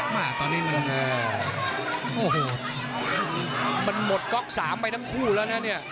มาตอนนี้มันโอ้โหมันหมดก๊อกสามไปทั้งคู่แล้วนะเนี่ย